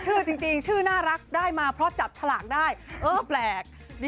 ชื่อจริงชื่อน่ารักได้มาเพราะจับฉลากได้เออแปลก